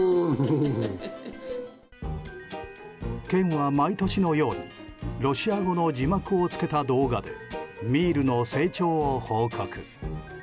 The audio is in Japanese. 県は毎年のようにロシア語の字幕をつけた動画でミールの成長を報告。